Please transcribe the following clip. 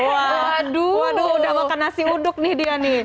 waduh waduh udah makan nasi uduk nih dia nih